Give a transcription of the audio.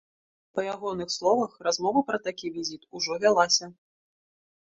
Па ягоных словах, размова пра такі візіт ужо вялася.